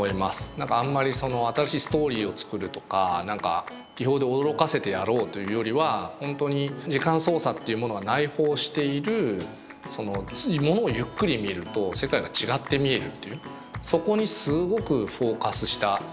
何かあんまりその新しいストーリーを作るとか何か技法で驚かせてやろうというよりは本当に時間操作っていうものが内包している物をゆっくり見ると世界が違って見えるっていうそこにすごくフォーカスした企画。